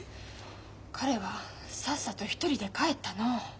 彼はさっさと一人で帰ったの。